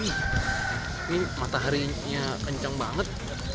ini mataharinya kencang banget